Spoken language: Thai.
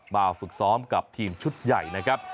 ฝึกซ้อมกับทีมชุดใหญ่นะครับ